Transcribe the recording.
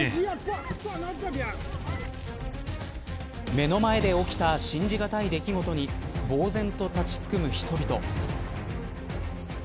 目の前で起きた信じがたい出来事に呆然と立ちすくむ人々。